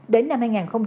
đến năm hai nghìn hai mươi